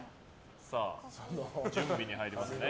準備に入りますね。